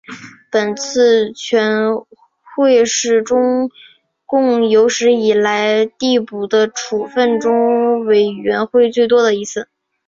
本次全会是中共有史以来递补和处分中央委员最多的一次。